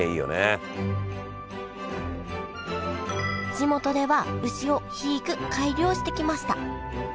地元では牛を肥育改良してきました。